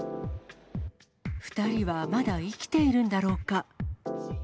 ２人はまだ生きているんだろうか？